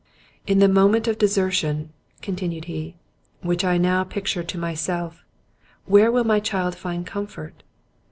"In the moment of desertion," continued he, "which I now picture to myself, where will my child find comfort?